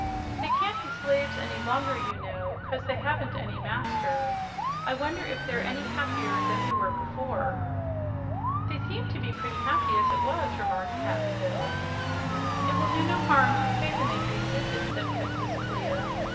"They can't be slaves any longer, you know, 'cause they haven't any master. I wonder if they're any happier than they were before?" "They seemed to be pretty happy as it was," remarked Cap'n Bill. "It will do no harm to pay them a brief visit," said Princess Clia.